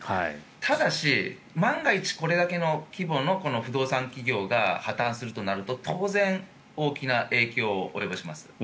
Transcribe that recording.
ただし、万が一これだけの規模の不動産企業が破たんするとなると当然、大きな影響を及ぼします。